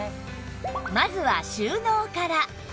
まずは収納から